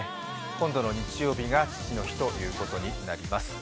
今度の日曜日が父の日ということになります。